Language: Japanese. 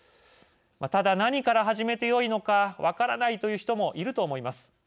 ただ、何から始めてよいのか分からないという人もいると思います。